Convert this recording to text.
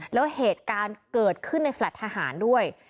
แล้วเหตุการณ์เกิดขึ้นในแฟลต์ทหารด้วย